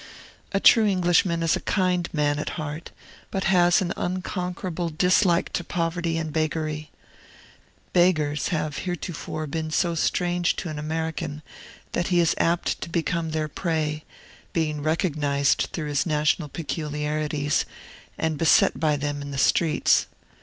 A true Englishman is a kind man at heart, but has an unconquerable dislike to poverty and beggary. Beggars have heretofore been so strange to an American that he is apt to become their prey, being recognized through his national peculiarities, and beset by them in the streets.